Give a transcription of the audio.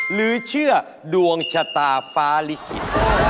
หรือเชื่อดวงชะตาฟ้าลิขิต